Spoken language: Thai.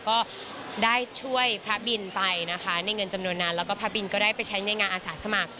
ก็ได้ช่วยพระบินไปนะคะในเงินจำนวนนั้นแล้วก็พระบินก็ได้ไปใช้ในงานอาสาสมัคร